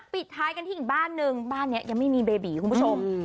ปิดท้ายกันที่อีกบ้านนึงบ้านนี้ยังไม่มีเบบีคุณผู้ชม